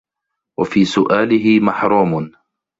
وَفِي سُؤَالِهِ مَحْرُومٌ